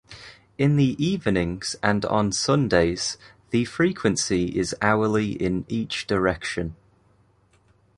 In the evenings and on Sundays the frequency is hourly in each direction.